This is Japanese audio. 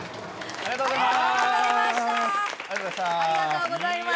ありがとうございます。